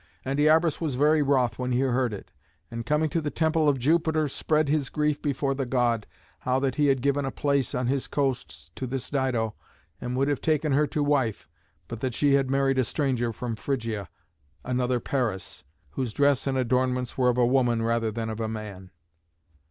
And Iarbas was very wroth when he heard it, and, coming to the temple of Jupiter, spread his grief before the god, how that he had given a place on his coasts to this Dido, and would have taken her to wife, but that she had married a stranger from Phrygia, another Paris, whose dress and adornments were of a woman rather than of a man.